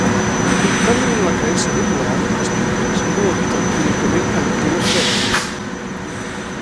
Contràriament a la creença popular, els pingüins no habiten únicament en climes freds.